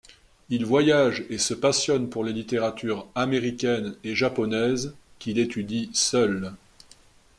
Il voyage et se passionne pour les littératures américaine et japonaise, qu'il étudie seul.